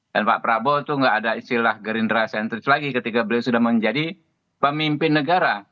dan pak prabowo itu nggak ada istilah gerindra sentris lagi ketika beliau sudah menjadi pemimpin negara